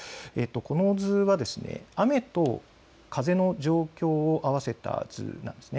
この図は雨と風の状況を合わせた図なんです。